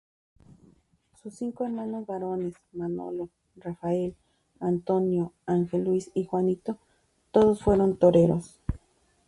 Sus cinco hermanos varones –Manolo, Rafael, Antonio, Ángel Luis y Juanito–, todos fueron toreros.